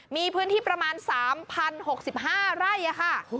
มีพื้นที่ประมาณ๓๐๖๕ไร่ค่ะ